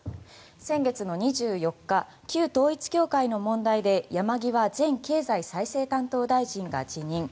先月２４日旧統一教会の問題で山際前経済再生担当大臣が辞任。